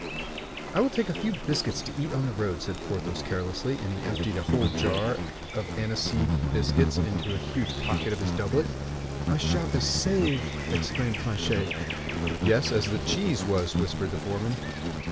"I will take a few biscuits to eat on the road," said Porthos, carelessly; and he emptied a whole jar of aniseed biscuits into the huge pocket of his doublet. "My shop is saved!" exclaimed Planchet. "Yes, as the cheese was," whispered the foreman.